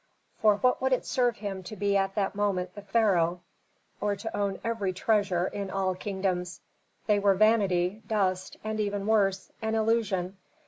For what would it serve him to be at that moment the pharaoh, or to own every treasure in all kingdoms? They were vanity, dust, and even worse an illusion.